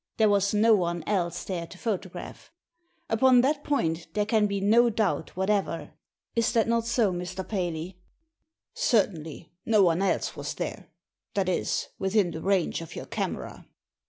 There was no one else there to photograph. Upon that point there can be no doubt whatever — is that not so, Mr. Paley?" " Certainly, no one else was there — that is, within the range of your camera."